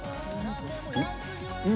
うん？